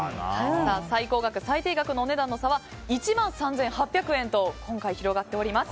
最高額、最低額のお値段の差は１万３８００円と広がっております。